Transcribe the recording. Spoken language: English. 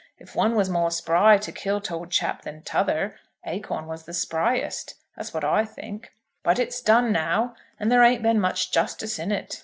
If one was more spry to kill t'old chap than t'other, Acorn was the spryest. That's what I think. But it's done now, and there ain't been much justice in it.